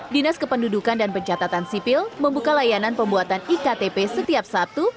dinas kependudukan dan pencatatan sipil membuka layanan pembuatan iktp setiap sabtu